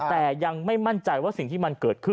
แต่ยังไม่มั่นใจว่าสิ่งที่มันเกิดขึ้น